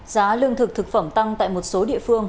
giá lương thực thực phẩm tăng tại một số địa phương